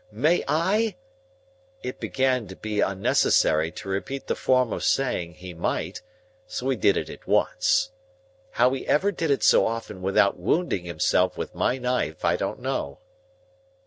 may I—?" It began to be unnecessary to repeat the form of saying he might, so he did it at once. How he ever did it so often without wounding himself with my knife, I don't know.